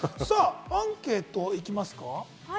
アンケート行きますか？